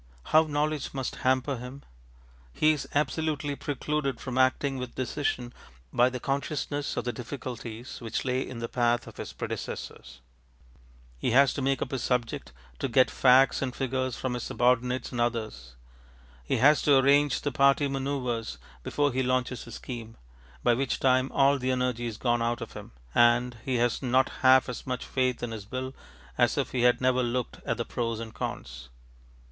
How knowledge must hamper him! He is absolutely precluded from acting with decision by the consciousness of the difficulties which lay in the path of his predecessors. He has to make up his subject, to get facts and figures from his subordinates and others. He has to arrange the party man┼ōuvres before he launches his scheme, by which time all the energy is gone out of him, and he has not half as much faith in his bill as if he had never looked at the pros and cons.